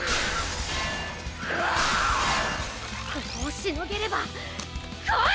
ここをしのげればこい！